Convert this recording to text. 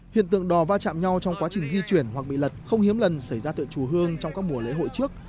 hiện tượng đò va chạm nhau trong quá trình di chuyển hoặc bị lật không hiếm lần xảy ra tựa hương trong các mùa lễ hội trước